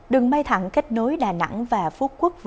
đường bay thẳng kết nối đà nẵng và phú quốc